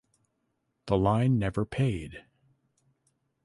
The line never paid.